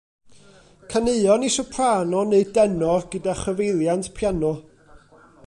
Caneuon i soprano neu denor gyda chyfeiliant piano.